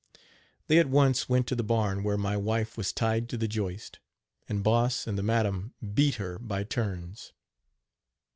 " They at once went to the barn where my wife was tied to the joist, and Boss and the madam beat her by turns.